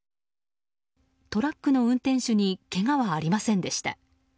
トラックの運転手にけがはありませんでした。